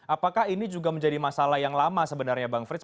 apakah ini juga menjadi masalah yang lama sebenarnya bang frits